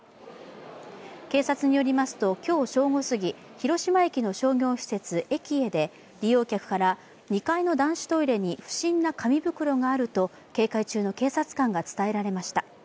警察によりますと、今日正午すぎ、広島駅の商業施設、ｅｋｉｅで利用客から、２階の男子トイレに不審な紙袋があると警戒中の警察官が伝えられました。